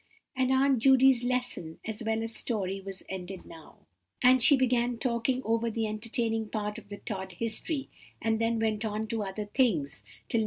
Aunt Judy's lesson, as well as story, was ended now, and she began talking over the entertaining part of the Tod history, and then went on to other things, till No.